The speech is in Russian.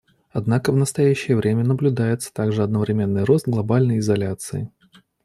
Однако в настоящее время наблюдается также одновременный рост глобальной изоляции.